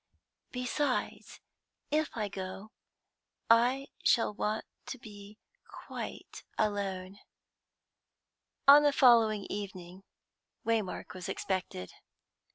Besides, if I go, I shall want to be quite alone." On the following evening Waymark was expected.